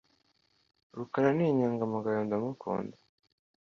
Rukara ni inyangamugayo, ndamukunda.